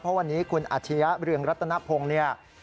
เพราะวันนี้คุณอาชียะเรืองรัตนพงศ์เนี่ย